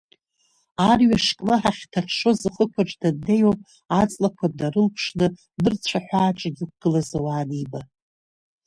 Арҩаш кнаҳа ахьҭаҽҽоз ахықәаҿ даннеи ауп, аҵлақәа днарылаԥшны нырцә ахәааҿы иқәгылаз ауаа аниба.